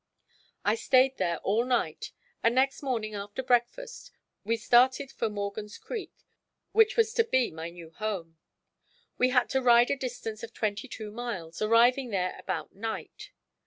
I stayed there all night and next morning after breakfast we started for Morgan's Creek, which was to be my new home. We had to ride a distance of twenty two miles, arriving there about night.